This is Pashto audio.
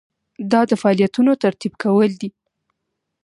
دا د فعالیتونو ترتیب کول دي.